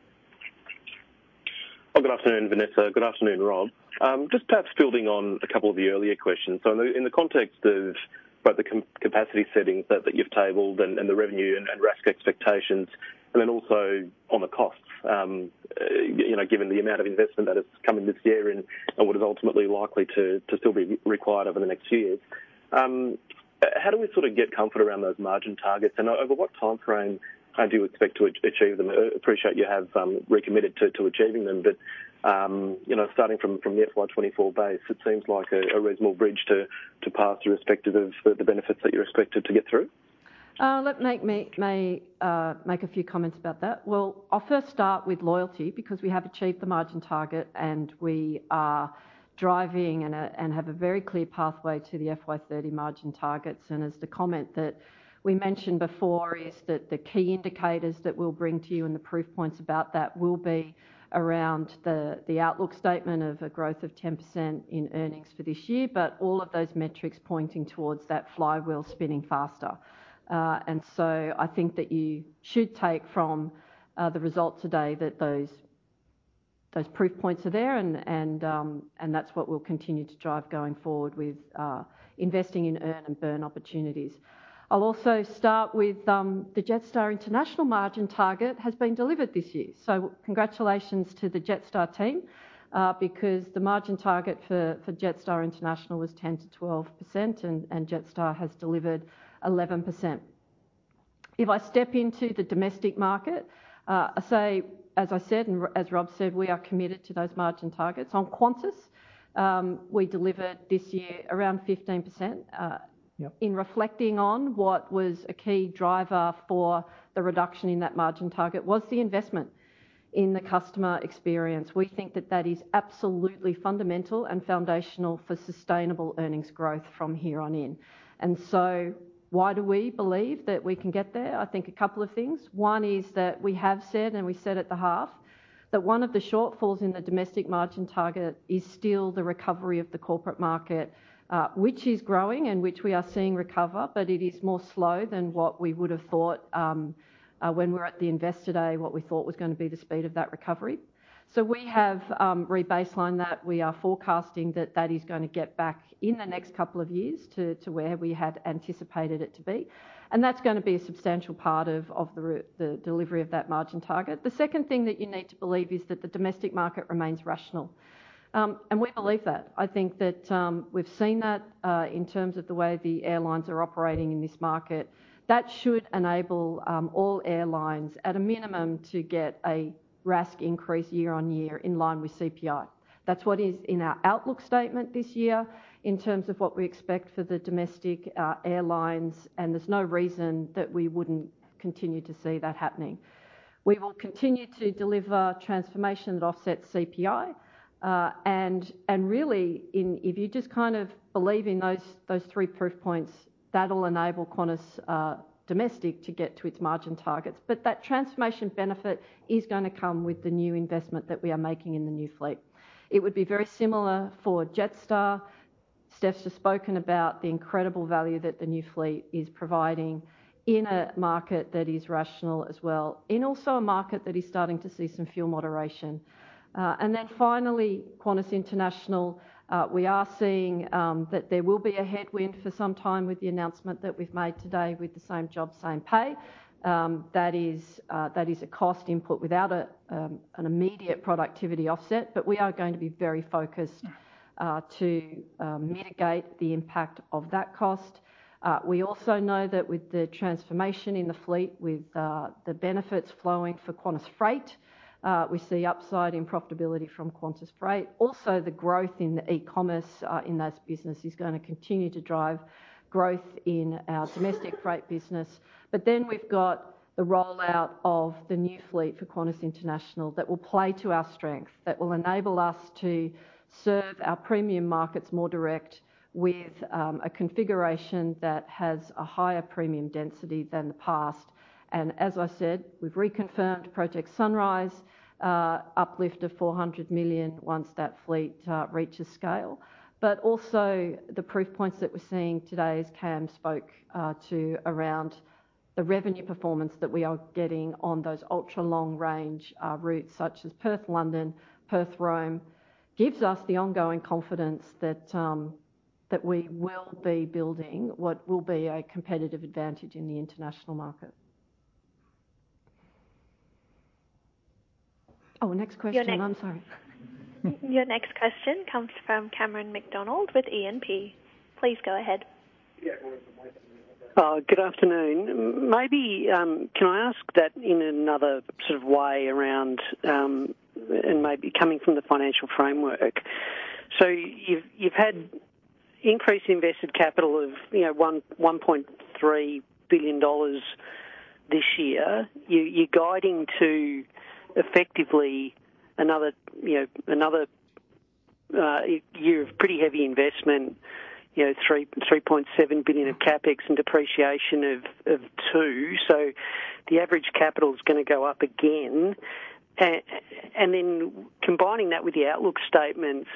Good afternoon, Vanessa. Good afternoon, Rob. Just perhaps building on a couple of the earlier questions. So in the context of both the capacity settings that you've tabled and the revenue and RASK expectations, and then also on the costs, you know, given the amount of investment that is coming this year and what is ultimately likely to still be required over the next few years, how do we sort of get comfort around those margin targets? And over what timeframe how do you expect to achieve them? Appreciate you have recommitted to achieving them, but you know, starting from the FY 2024 base, it seems like a reasonable bridge to pass, irrespective of the benefits that you're expected to get through. Make a few comments about that. I'll first start with loyalty, because we have achieved the margin target, and we are driving and have a very clear pathway to the FY 2030 margin targets. As the comment that we mentioned before is that the key indicators that we'll bring to you and the proof points about that will be around the outlook statement of a growth of 10% in earnings for this year, but all of those metrics pointing towards that flywheel spinning faster. I think that you should take from the results today that those proof points are there, and that's what we'll continue to drive going forward with investing in earn and burn opportunities. I'll also start with the Jetstar International margin target has been delivered this year, so congratulations to the Jetstar team, because the margin target for Jetstar International was 10%-12%, and Jetstar has delivered 11%. If I step into the domestic market, I say, as I said, and as Rob said, we are committed to those margin targets. On Qantas, we delivered this year around 15%. Yep. In reflecting on what was a key driver for the reduction in that margin target was the investment in the customer experience. We think that that is absolutely fundamental and foundational for sustainable earnings growth from here on in. And so why do we believe that we can get there? I think a couple of things. One is that we have said, and we said at the half, that one of the shortfalls in the domestic margin target is still the recovery of the corporate market, which is growing and which we are seeing recover, but it is more slow than what we would have thought, when we were at the Investor Day, what we thought was gonna be the speed of that recovery. So we have rebaselined that. We are forecasting that is gonna get back in the next couple of years to where we had anticipated it to be, and that's gonna be a substantial part of the delivery of that margin target. The second thing that you need to believe is that the domestic market remains rational, and we believe that. I think that we've seen that in terms of the way the airlines are operating in this market. That should enable all airlines, at a minimum, to get a RASK increase year-on-year in line with CPI. That's what is in our outlook statement this year in terms of what we expect for the domestic airlines, and there's no reason that we wouldn't continue to see that happening. We will continue to deliver transformation that offsets CPI, and really, if you just kind of believe in those three proof points, that'll enable Qantas Domestic to get to its margin targets. But that transformation benefit is gonna come with the new investment that we are making in the new fleet. It would be very similar for Jetstar. Steph's just spoken about the incredible value that the new fleet is providing in a market that is rational as well, and also a market that is starting to see some fuel moderation. And then finally, Qantas International, we are seeing that there will be a headwind for some time with the announcement that we've made today with the Same Job Same Pay. That is a cost input without an immediate productivity offset, but we are going to be very focused to mitigate the impact of that cost. We also know that with the transformation in the fleet, with the benefits flowing for Qantas Freight, we see upside in profitability from Qantas Freight. Also, the growth in the e-commerce in those business is gonna continue to drive growth in our domestic freight business. But then we've got the rollout of the new fleet for Qantas International that will play to our strength, that will enable us to serve our premium markets more direct with a configuration that has a higher premium density than the past. And as I said, we've reconfirmed Project Sunrise uplift of 400 million once that fleet reaches scale. But also, the proof points that we're seeing today, as Cam spoke to around the revenue performance that we are getting on those ultra-long-range routes such as Perth-London, Perth-Rome, gives us the ongoing confidence that that we will be building what will be a competitive advantage in the international market. Oh, next question. I'm sorry. Your next question comes from Cameron McDonald with E&P. Please go ahead. Good afternoon. Maybe can I ask that in another sort of way around, and maybe coming from the financial framework? So you've had increased invested capital of, you know, 1.3 billion dollars this year. You're guiding to effectively another, you know, year of pretty heavy investment, you know, 3.7 billion of CapEx and depreciation of 2 billion. So the average capital is gonna go up again. And then combining that with the outlook statements,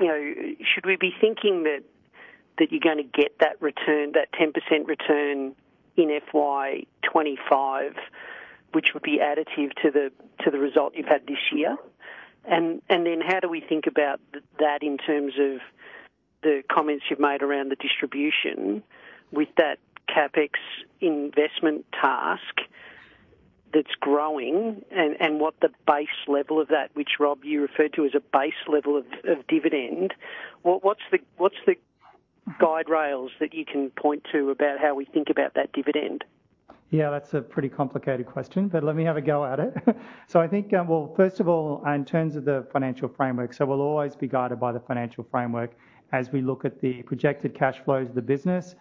you know, should we be thinking that you're gonna get that return, that 10% return in FY 2025, which would be additive to the result you've had this year? Then how do we think about that in terms of the comments you've made around the distribution with that CapEx investment task that's growing and what the base level of that, which, Rob, you referred to as a base level of dividend. What’s the guardrails that you can point to about how we think about that dividend? Yeah, that's a pretty complicated question, but let me have a go at it. So I think, well, first of all, in terms of the financial framework, so we'll always be guided by the financial framework as we look at the projected cash flows of the business,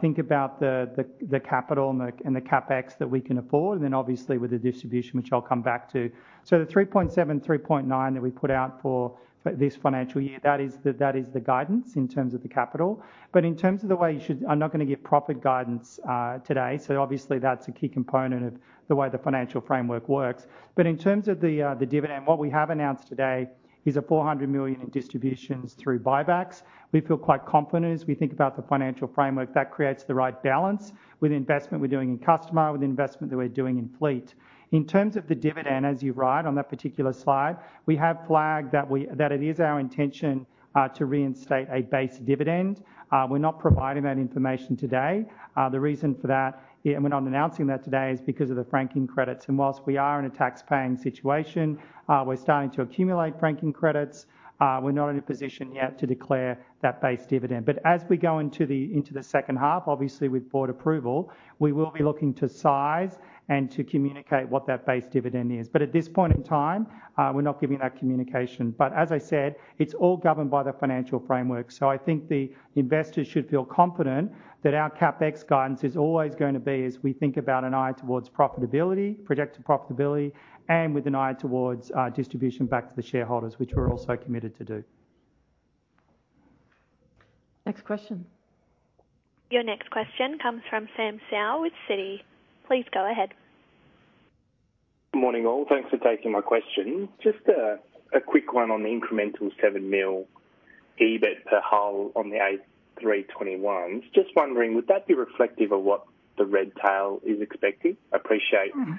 think about the capital and the CapEx that we can afford, and then obviously with the distribution, which I'll come back to. So the 3.7 billion-3.9 billion that we put out for this financial year, that is the guidance in terms of the capital. But in terms of the way you should... I'm not gonna give proper guidance today, so obviously that's a key component of the way the financial framework works. But in terms of the dividend, what we have announced today is 400 million in distributions through buybacks. We feel quite confident as we think about the financial framework, that creates the right balance with investment we're doing in customer, with investment that we're doing in fleet. In terms of the dividend, as you're right, on that particular slide, we have flagged that it is our intention to reinstate a base dividend. We're not providing that information today. The reason for that, and we're not announcing that today, is because of the franking credits. And whilst we are in a tax-paying situation, we're starting to accumulate franking credits, we're not in a position yet to declare that base dividend. But as we go into the second half, obviously with board approval, we will be looking to size and to communicate what that base dividend is. But at this point in time, we're not giving that communication. But as I said, it's all governed by the financial framework. So I think the investors should feel confident that our CapEx guidance is always gonna be as we think about an eye towards profitability, projected profitability, and with an eye towards distribution back to the shareholders, which we're also committed to do. Next question. Your next question comes from Sam Seow with Citi. Please go ahead. Good morning, all. Thanks for taking my question. Just a quick one on the incremental 7 million EBIT per hull on the A321. Just wondering, would that be reflective of what the Red Tail is expecting? I appreciate- Mm-hmm.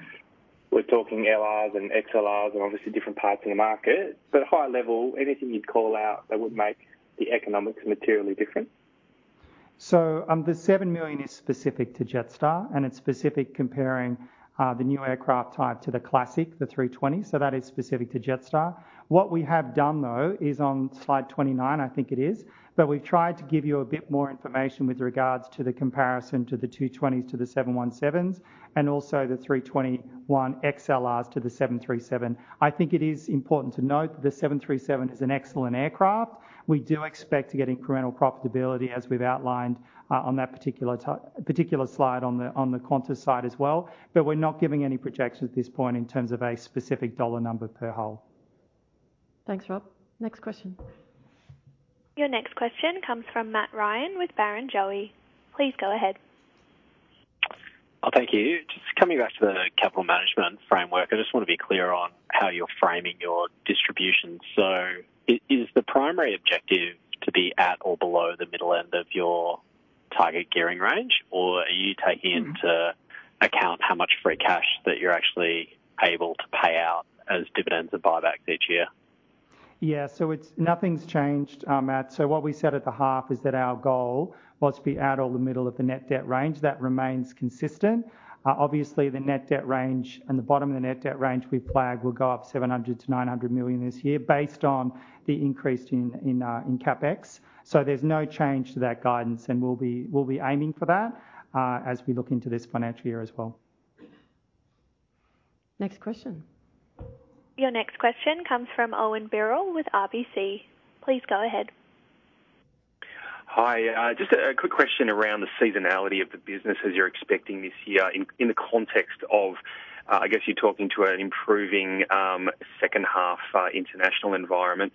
We're talking LRs and XLRs and obviously different parts of the market, but high level, anything you'd call out that would make the economics materially different? The 7 million is specific to Jetstar, and it's specific comparing the new aircraft type to the classic, the A320, so that is specific to Jetstar. What we have done, though, is on slide 29, I think it is, but we've tried to give you a bit more information with regards to the comparison to the A220s, to the 717s, and also the A321XLRs to the 737. I think it is important to note that the 737 is an excellent aircraft. We do expect to get incremental profitability, as we've outlined, on that particular slide on the Qantas side as well, but we're not giving any projections at this point in terms of a specific dollar number per hull. Thanks, Rob. Next question. Your next question comes from Matt Ryan with Barrenjoey. Please go ahead.... Oh, thank you. Just coming back to the capital management framework, I just want to be clear on how you're framing your distribution. So is the primary objective to be at or below the middle end of your target gearing range? Or are you taking into account how much free cash that you're actually able to pay out as dividends and buybacks each year? Yeah, so it's nothing's changed, Matt. So what we said at the half is that our goal was to be at or the middle of the net debt range. That remains consistent. Obviously, the net debt range and the bottom of the net debt range we flagged will go up 700 million-900 million this year based on the increase in CapEx. So there's no change to that guidance, and we'll be aiming for that as we look into this financial year as well. Next question. Your next question comes from Owen Birrell with RBC. Please go ahead. Hi, just a quick question around the seasonality of the business as you're expecting this year in the context of, I guess you're talking to an improving second half international environment.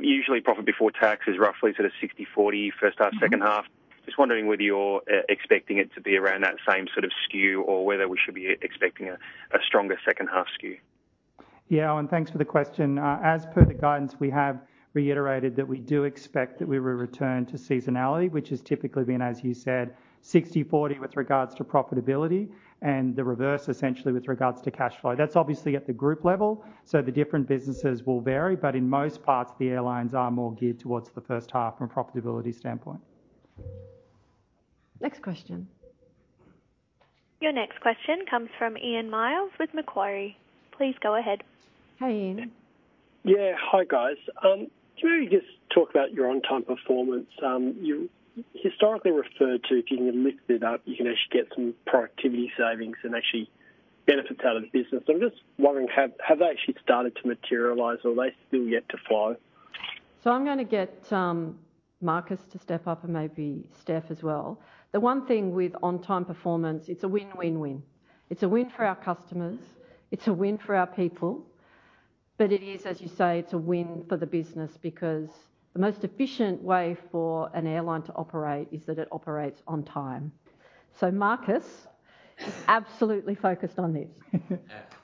Usually profit before tax is roughly sort of 60/40, first half/second half. Just wondering whether you're expecting it to be around that same sort of skew, or whether we should be expecting a stronger second half skew? Yeah, Owen, thanks for the question. As per the guidance, we have reiterated that we do expect that we will return to seasonality, which has typically been, as you said, 60/40 with regards to profitability and the reverse, essentially with regards to cashflow. That's obviously at the group level, so the different businesses will vary, but in most parts, the airlines are more geared towards the first half from a profitability standpoint. Next question. Your next question comes from Ian Myles with Macquarie. Please go ahead. Hi, Ian. Yeah. Hi, guys. Can you just talk about your on-time performance? You historically referred to, if you can lift it up, you can actually get some productivity savings and actually benefits out of the business. I'm just wondering, have they actually started to materialize or are they still yet to flow? So I'm gonna get Markus to step up and maybe Steph as well. The one thing with on-time performance, it's a win, win, win. It's a win for our customers, it's a win for our people, but it is, as you say, it's a win for the business because the most efficient way for an airline to operate is that it operates on time. So Marcus, absolutely focused on this. Yeah.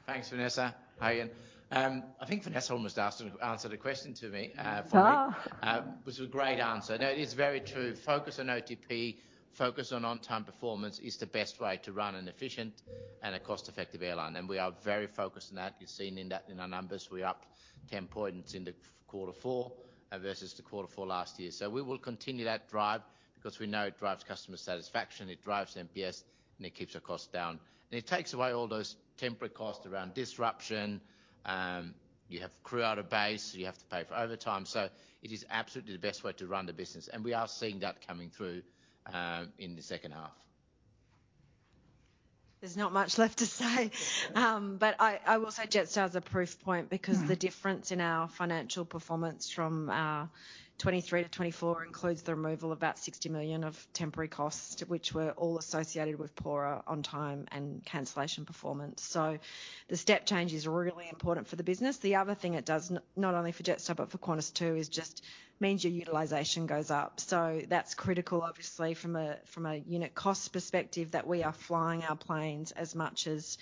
Thanks, Vanessa. Hi, Ian. I think Vanessa almost answered the question for me. Ah. Which was a great answer. No, it is very true. Focus on OTP. Focus on on-time performance is the best way to run an efficient and a cost-effective airline, and we are very focused on that. You've seen in that, in our numbers. We're up ten points into quarter four, versus the quarter four last year. So we will continue that drive because we know it drives customer satisfaction, it drives NPS, and it keeps our costs down. And it takes away all those temporary costs around disruption. You have crew out of base, you have to pay for overtime. So it is absolutely the best way to run the business, and we are seeing that coming through, in the second half. There's not much left to say, but I will say Jetstar is a proof point. Because the difference in our financial performance from 2023 to 2024 includes the removal of about 60 million of temporary costs, which were all associated with poorer on-time and cancellation performance. So the step change is really important for the business. The other thing it does, not only for Jetstar, but for Qantas, too, is just means your utilization goes up. So that's critical, obviously, from a unit cost perspective, that we are flying our planes as much as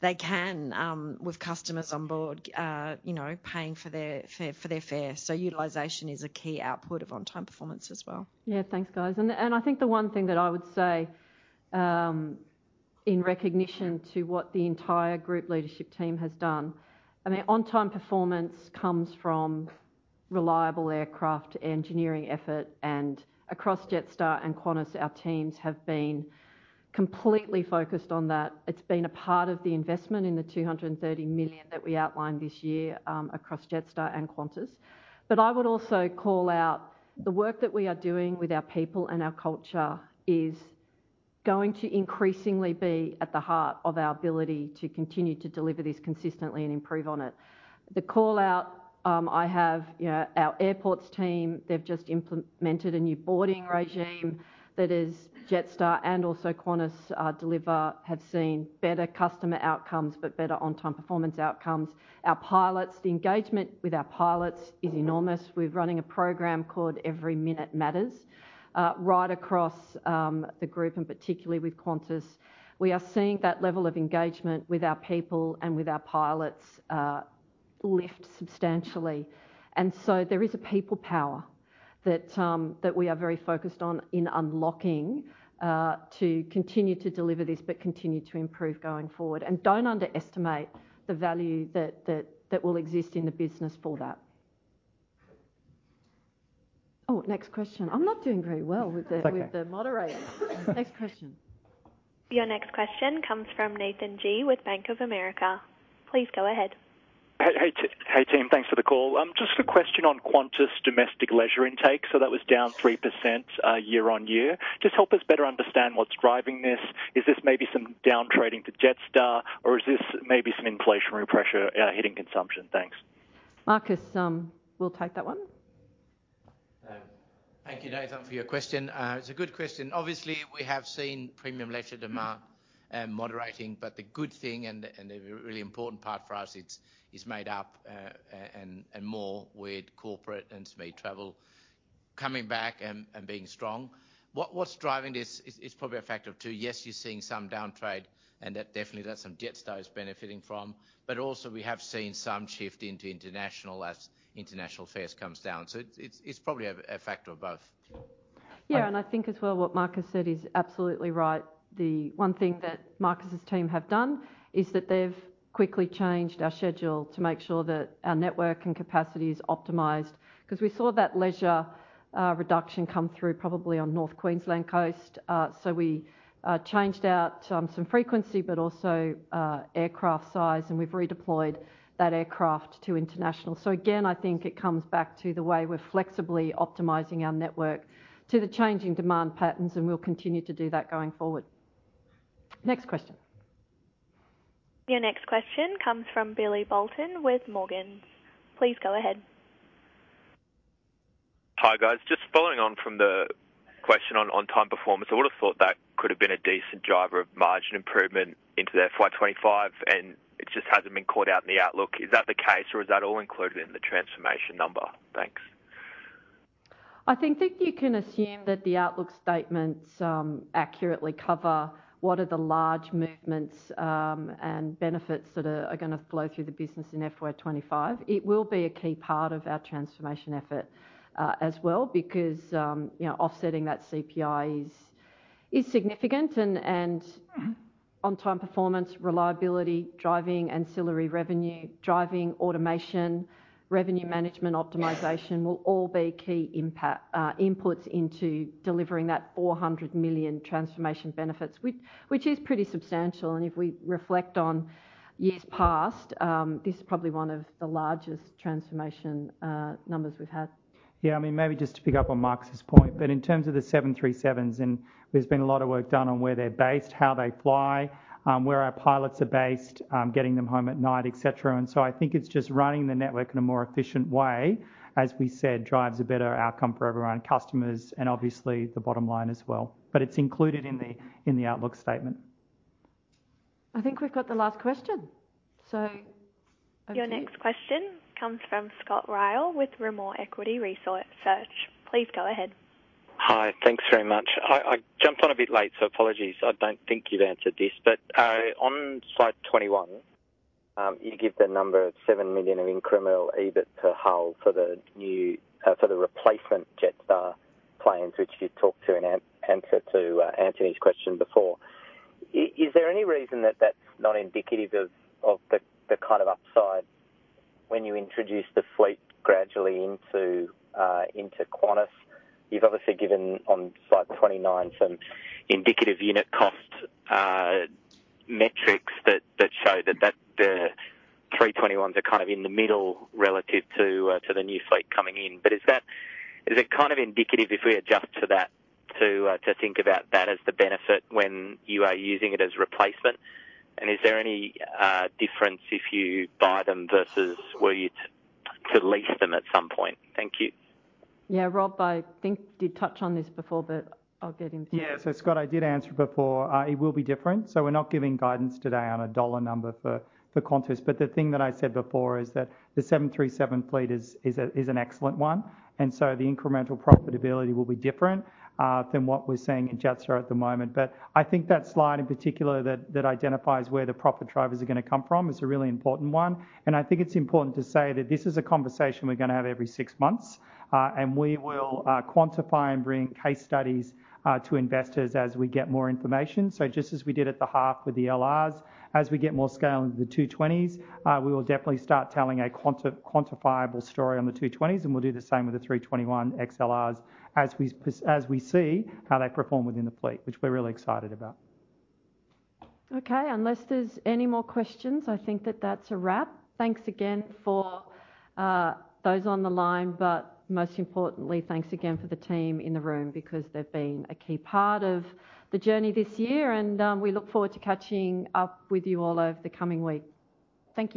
they can, with customers on board, you know, paying for their fare. So utilization is a key output of on-time performance as well. Yeah. Thanks, guys. And I think the one thing that I would say in recognition to what the entire group leadership team has done, I mean, on-time performance comes from reliable aircraft engineering effort. And across Jetstar and Qantas, our teams have been completely focused on that. It's been a part of the investment in the 230 million that we outlined this year across Jetstar and Qantas. But I would also call out the work that we are doing with our people and our culture is going to increasingly be at the heart of our ability to continue to deliver this consistently and improve on it. The call-out I have, you know, our airports team, they've just implemented a new boarding regime that is Jetstar and also Qantas have seen better customer outcomes, but better on-time performance outcomes. Our pilots, the engagement with our pilots is enormous. We're running a program called Every Minute Matters, right across the group and particularly with Qantas. We are seeing that level of engagement with our people and with our pilots lift substantially. And so there is a people power that we are very focused on in unlocking to continue to deliver this, but continue to improve going forward. And don't underestimate the value that will exist in the business for that. Oh, next question. I'm not doing very well with the- It's okay. With the moderator. Next question. Your next question comes from Nathan Gee with Bank of America. Please go ahead. Hey, hey, team. Thanks for the call. Just a question on Qantas Domestic leisure intake. So that was down 3% year-on-year. Just help us better understand what's driving this. Is this maybe some down trading to Jetstar, or is this maybe some inflationary pressure hitting consumption? Thanks. Markus, will take that one. Thank you, Nathan, for your question. It's a good question. Obviously, we have seen premium leisure demand moderating, but the good thing and the really important part for us, it's made up and more with corporate and speed travel coming back and being strong. What's driving this is probably a factor of two. Yes, you're seeing some down trade, and that definitely is something Jetstar is benefiting from. But also, we have seen some shift into international as international fares comes down. So it's probably a factor of both. Yeah, and I think as well, what Markus said is absolutely right. The one thing that Markus's team have done is that they've quickly changed our schedule to make sure that our network and capacity is optimized. 'Cause we saw that leisure reduction come through probably on North Queensland coast. So we changed out some frequency, but also aircraft size, and we've redeployed that aircraft to international. So again, I think it comes back to the way we're flexibly optimizing our network to the changing demand patterns, and we'll continue to do that going forward. Next question. Your next question comes from Billy Boulton with Morgans. Please go ahead. Hi, guys. Just following on from the question on on-time performance, I would have thought that could have been a decent driver of margin improvement into the FY 2025, and it just hasn't been called out in the outlook. Is that the case, or is that all included in the transformation number? Thanks. I think you can assume that the outlook statements accurately cover what are the large movements and benefits that are gonna flow through the business in FY 2025. It will be a key part of our transformation effort as well, because you know, offsetting that CPI is significant and on-time performance, reliability, driving ancillary revenue, driving automation, revenue management optimization will all be key inputs into delivering that 400 million transformation benefits, which is pretty substantial. And if we reflect on years past, this is probably one of the largest transformation numbers we've had. Yeah, I mean, maybe just to pick up on Markus's point, but in terms of the 737s, and there's been a lot of work done on where they're based, how they fly, where our pilots are based, getting them home at night, et cetera. And so I think it's just running the network in a more efficient way, as we said, drives a better outcome for everyone, customers and obviously the bottom line as well. But it's included in the outlook statement. I think we've got the last question, so over to you. Your next question comes from Scott Ryall with Rimor Equity Research. Please go ahead. Hi, thanks very much. I jumped on a bit late, so apologies. I don't think you'd answered this, but on slide 21, you give the number of 7 million in incremental EBIT per hull for the new for the replacement Jetstar planes, which you talked to in answer to Anthony's question before. Is there any reason that that's not indicative of the kind of upside when you introduce the fleet gradually into Qantas? You've obviously given on slide 29 some indicative unit cost metrics that show that the A321s are kind of in the middle relative to the new fleet coming in. But is it kind of indicative, if we adjust to that, to think about that as the benefit when you are using it as replacement? And is there any difference if you buy them versus were you to lease them at some point? Thank you. Yeah. Rob, I think, did touch on this before, but I'll get him to- Yeah. So, Scott, I did answer before. It will be different. We're not giving guidance today on a dollar number for Qantas. The thing that I said before is that the 737 fleet is an excellent one, and the incremental profitability will be different than what we're seeing in Jetstar at the moment. That slide in particular that identifies where the profit drivers are gonna come from is a really important one. This is a conversation we're gonna have every six months, and we will quantify and bring case studies to investors as we get more information. So just as we did at the half with the LRs, as we get more scale into the A220s, we will definitely start telling a quantifiable story on the A220s, and we'll do the same with the A321XLRs as we see how they perform within the fleet, which we're really excited about. Okay. Unless there's any more questions, I think that that's a wrap. Thanks again for those on the line, but most importantly, thanks again for the team in the room, because they've been a key part of the journey this year, and we look forward to catching up with you all over the coming week. Thank you.